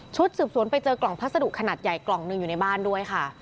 สืบสวนไปเจอกล่องพัสดุขนาดใหญ่กล่องหนึ่งอยู่ในบ้านด้วยค่ะ